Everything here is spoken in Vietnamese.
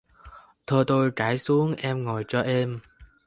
Thơ tôi trải xuống em ngồi cho êm...